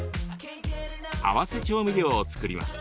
合わせ調味料を作ります。